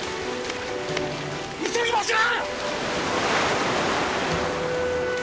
急ぎましょう！